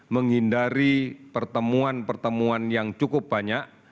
menghindari pertemuan pertemuan yang cukup banyak